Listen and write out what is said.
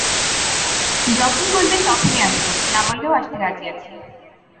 যখনই বলবেন তখনই আসব, না বললেও আসতে রাজি আছি।